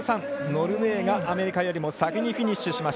ノルウェーがアメリカよりも先にフィニッシュ。